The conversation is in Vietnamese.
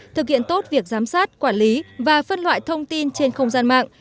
thực hiện tốt việc giám sát quản lý và phân loại thông tin trên không gian mạng